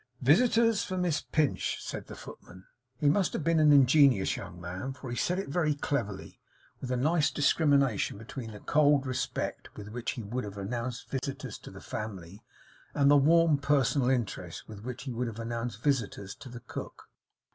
'Visitors for Miss Pinch!' said the footman. He must have been an ingenious young man, for he said it very cleverly; with a nice discrimination between the cold respect with which he would have announced visitors to the family, and the warm personal interest with which he would have announced visitors to the cook.